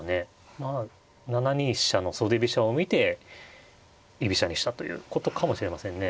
まあ７二飛車の袖飛車を見て居飛車にしたということかもしれませんね。